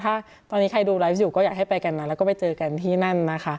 ถ้าตอนนี้ใครดูไลฟ์อยู่ก็อยากให้ไปกันนะแล้วก็ไปเจอกันที่นั่นนะคะ